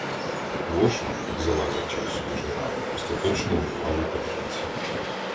Воші, залазячи в свіжі рани, остаточно урвали терпець.